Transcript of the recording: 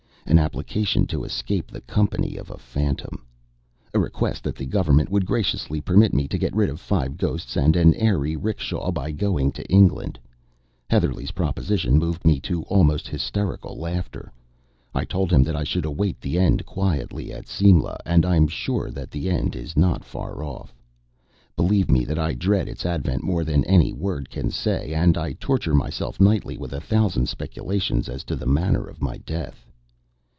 An application to escape the company of a phantom! A request that the Government would graciously permit me to get rid of five ghosts and an airy 'rickshaw by going to England. Heatherlegh's proposition moved me to almost hysterical laughter. I told him that I should await the end quietly at Simla; and I am sure that the end is not far off. Believe me that I dread its advent more than any word can say; and I torture myself nightly with a thousand speculations as to the manner of my death.